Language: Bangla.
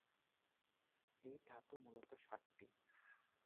এই ধাতু মূলত সাতটি।